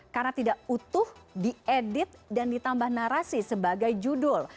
karena tidak utuh diedit dan ditambah narasi sebagai judul